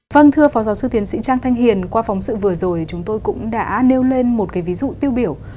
vâng thưa phó giáo sư tiến sĩ trang thanh hiền qua phóng sự vừa rồi chúng tôi cũng đã nêu lên một cái ví dụ tiêu biểu